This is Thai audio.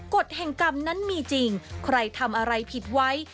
กฎแห่งกรรมนั้นมีจริงใครทำอะไรผิดไว้